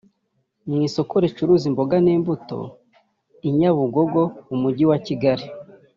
Mu isoko ricuruza imboga n’imbuto i Nyabugogo mu mujyi wa Kigali